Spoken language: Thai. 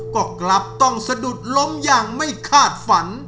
ก็กลับต้องสะดุดล้มอย่างไม่คาดฝัน